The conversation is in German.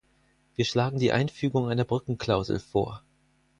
Wir schlagen die Einfügung einer Brückenklausel vor.